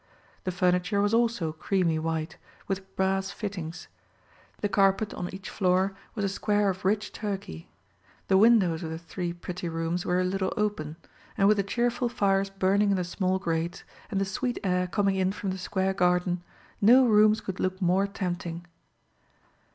The furniture was also creamy white, with brass fittings. The carpet on each floor was a square of rich Turkey. The windows of the three pretty rooms were a little open; and with the cheerful fires burning in the small grates, and the sweet air coming in from the square garden, no rooms could look more tempting.